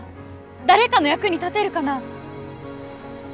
誰かの役に立てるかな？